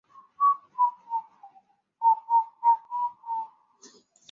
默尔敦星孔珊瑚为轴孔珊瑚科星孔珊瑚下的一个种。